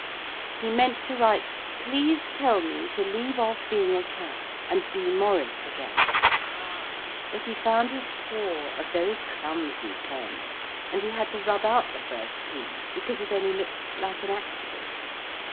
He meant to write: 'Please tell me to leave off being a cat and be Maurice again,' but he found his paw a very clumsy pen, and he had to rub out the first 'P' because it only looked like an accident.